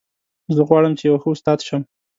زه غواړم چې یو ښه استاد شم